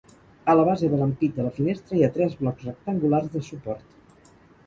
A la base de l'ampit de la finestra hi ha tres blocs rectangulars de suport.